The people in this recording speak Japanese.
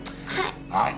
はい。